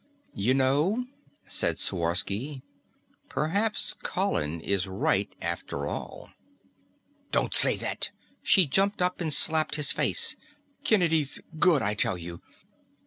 "You know," said Sworsky, "perhaps Colin is right after all." "Don't say that!" She jumped up and slapped his face. "Kennedy's good, I tell you!